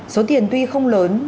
số tiền tuy không lớn